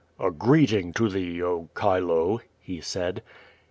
^A greeting to thee, oh, Chilo!" he iiid.